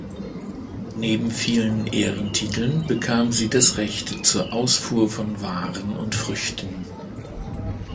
Neben vielen Ehrentiteln bekam sie das Recht zur Ausfuhr von Waren und Früchten.